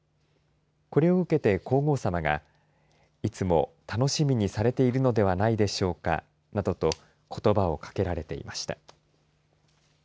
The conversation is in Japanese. これを受けて皇后さまがいつも楽しみにされているのではないでしょうかなどと、ことばをかけられていました。